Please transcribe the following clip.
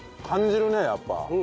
感じるねやっぱ。